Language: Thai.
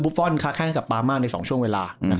บุฟฟอลค่าแค่กับปามาในสองช่วงเวลา